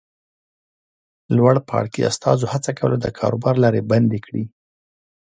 لوړپاړکي استازو هڅه کوله د کاروبار لارې بندې کړي.